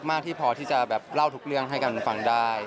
มากที่พอที่จะแบบเล่าทุกเรื่องให้กันฟังได้